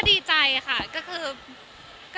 มีความสุขมากค่ะ